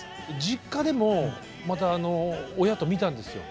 実家でもまた親と見たんですよ。